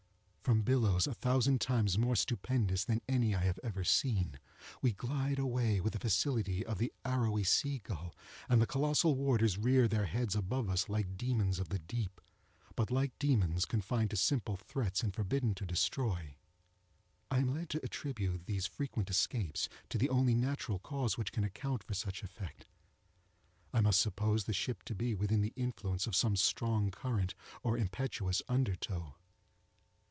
From billows a thousand times more stupendous than any I have ever seen, we glide away with the facility of the arrowy sea gull; and the colossal waters rear their heads above us like demons of the deep, but like demons confined to simple threats and forbidden to destroy. I am led to attribute these frequent escapes to the only natural cause which can account for such effect. I must suppose the ship to be within the influence of some strong current, or impetuous under tow.